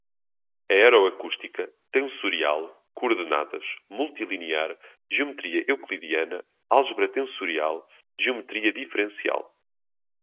aeroacústica, tensorial, coordenadas, multilinear, geometria euclidiana, álgebra tensorial, geometria diferencial